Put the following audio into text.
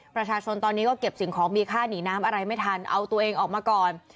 ประชาชนตอนนี้ก็เก็บสิ่งของมีค่าหนีน้ำอะไรไม่ทันเอาตัวเองออกมาก่อน